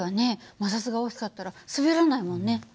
摩擦が大きかったら滑らないもんね。